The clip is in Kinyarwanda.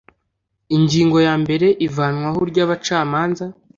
Ingingo ya mbere Ivanwaho ry abacamanza